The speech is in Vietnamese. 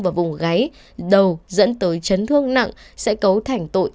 vào vùng gáy đầu dẫn tới chấn thương nặng sẽ cấu thành tội